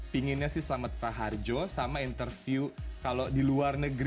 pinginnya sih selamat raharjo sama interview kalau di luar negara nih bukan